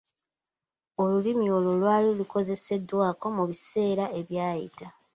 Olulimi olwo lwali lukozeseddwako mu biseera ebyayita.